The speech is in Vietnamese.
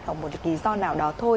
hoặc một cái lý do nào đó thôi